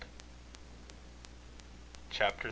CHAPTER XX.